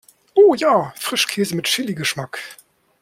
Oh ja, Frischkäse mit Chili-Geschmack!